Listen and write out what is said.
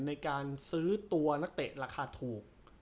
ในการซื้อตัวนักเตะราคาถูก